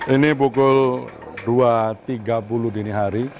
ini pukul dua tiga puluh dini hari